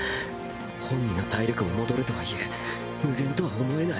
本人の体力も戻るとはいえ無限とは思えない。